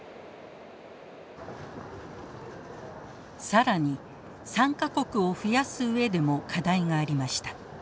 更に参加国を増やす上でも課題がありました。